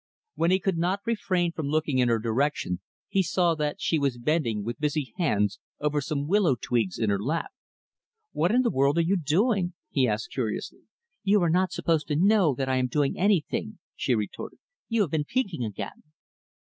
When he could not refrain from looking in her direction, he saw that she was bending, with busy hands, over some willow twigs in her lap. "What in the world are you doing?" he asked curiously. "You are not supposed to know that I am doing anything," she retorted. "You have been peeking again."